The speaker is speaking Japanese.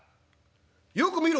「よく見ろ。